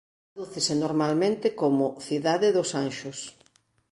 Tradúcese normalmente como "cidade dos anxos".